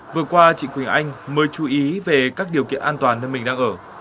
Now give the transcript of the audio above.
vừa qua chị quỳnh anh mới chú ý về các điều kiện an toàn nơi mình đang ở